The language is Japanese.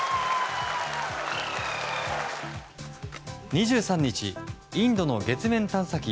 ２３日、インドの月面探査機